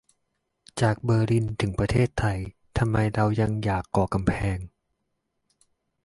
จากเบอร์ลินถึงประเทศไทยทำไมเรายังอยากก่อกำแพง